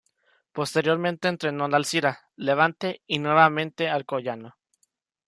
Posteriormente entrenó al Alzira, Levante y nuevamente Alcoyano.